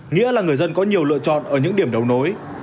nghĩa là người dân có nhiều lựa chọn ở những điểm đấu nối